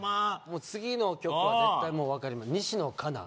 もう次の曲は絶対もう分かります西野カナ